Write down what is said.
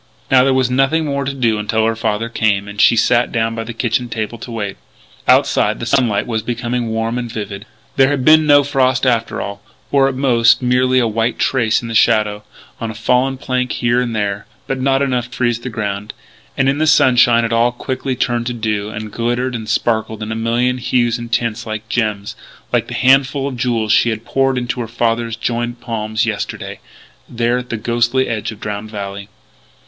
Now there was nothing more to do until her father came, and she sat down by the kitchen table to wait. Outside the sunlight was becoming warm and vivid. There had been no frost after all or, at most, merely a white trace in the shadow on a fallen plank here and there but not enough to freeze the ground. And, in the sunshine, it all quickly turned to dew, and glittered and sparkled in a million hues and tints like gems like that handful of jewels she had poured into her father's joined palms yesterday there at the ghostly edge of Drowned Valley.